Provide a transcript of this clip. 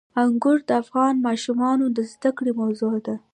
انګور د افغان ماشومانو د زده کړې موضوع ده.